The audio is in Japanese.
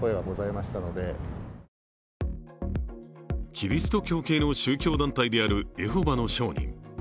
キリスト教の宗教団体であるエホバの証人。